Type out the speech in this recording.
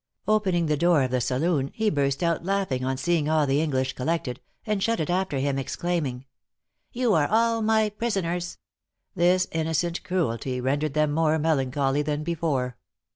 Opening the door of the saloon, he burst out a laughing on seeing all the English collected, and shut it after him, exclaiming, 'You are all my prisoners!' This innocent cruelty rendered them more melancholy than before."